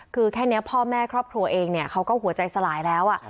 คือแค่นี้พ่อแม่ครอบครัวเองเนี่ยเขาก็หัวใจสลายแล้ว